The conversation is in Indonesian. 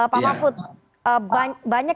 pak mahfud banyak